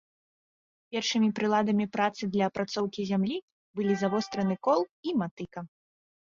Першымі прыладамі працы для апрацоўкі зямлі былі завостраны кол і матыка.